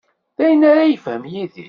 D ayen ara yefhem Yidir.